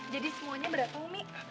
jadi semuanya berapa umi